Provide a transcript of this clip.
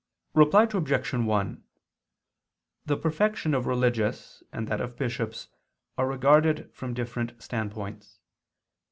Reply Obj. 1: The perfection of religious and that of bishops are regarded from different standpoints.